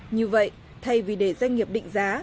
như vậy thay vì để doanh nghiệp định giá